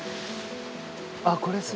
あっこれ杉？